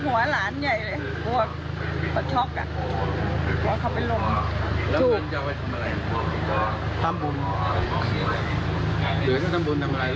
มีครอบครัวยังยังครับ